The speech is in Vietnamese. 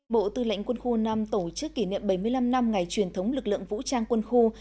bộ tư lệnh quân khu năm tổ chức kỷ niệm bảy mươi năm năm ngày truyền thống lực lượng vũ trang quân khu